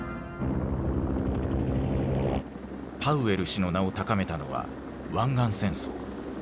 パウエル氏の名を高めたのは湾岸戦争。